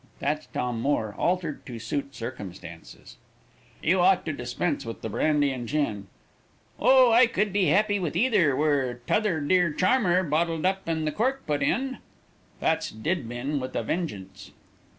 That's Tom Moore, altered to suit circumstances." "You ought to dispense with the brandy and gin." "Oh, I could be happy with either, were 'tother dear charmer bottled up and the cork put in. That's Dibdin with a vengeance."